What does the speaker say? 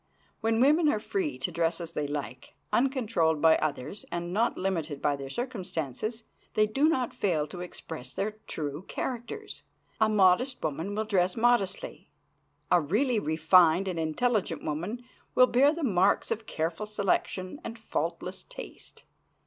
When women are free to dress as they like, uncontrolled by others and not limited by their circumstances, they do not fail to express their true characters. A modest woman will dress modestly; a really refined and intelligent woman will bear the marks of careful selections and faultless taste.